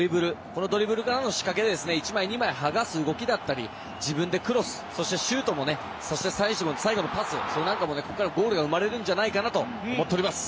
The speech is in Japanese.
このドリブルからの仕掛けで１枚、２枚剥がす仕掛けだったり自分でクロス、そしてシュートそして最後のパスでゴールが生まれるんじゃないかなと思っております。